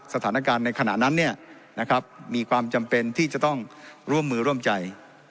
สถานการณ์ในขณะนั้นมีความจำเป็นที่จะต้องร่วมมือร่วมใจ